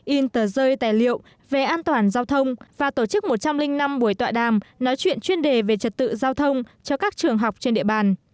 in tờ rơi tài liệu về an toàn giao thông và tổ chức một trăm linh năm buổi tọa đàm nói chuyện chuyên đề về trật tự giao thông cho các trường học trên địa bàn